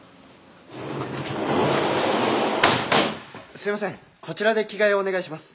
すいませんこちらで着替えをお願いします。